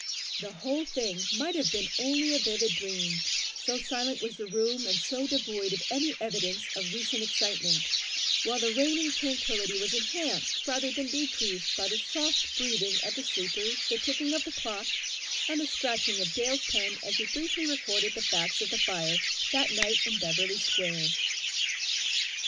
The whole thing might have been only a vivid dream, so silent was the room and so devoid of any evidence of recent excitement, while the reigning tranquillity was enhanced rather than decreased by the soft breathing of the sleepers, the ticking of the clock, and the scratching of Dale's pen as he briefly recorded the facts of the fire that night in Beverly Square.